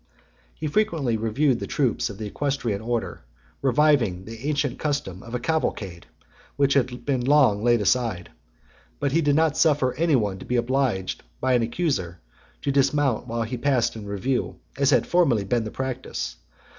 He frequently reviewed the troops of the equestrian order, reviving the ancient custom of a cavalcade , which had been long laid aside. But he did not suffer any one to be obliged by an accuser to dismount while he passed in review, as had formerly been the practice.